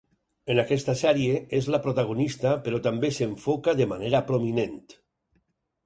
En aquesta sèrie, és la protagonista, però també s'enfoca de manera prominent.